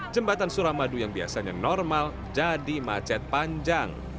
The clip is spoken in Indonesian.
jembatan suramadu yang biasanya normal jadi macet panjang